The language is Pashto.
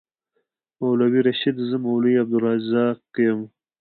مولوي رشید زه مولوي عبدالرزاق ته بوتلم.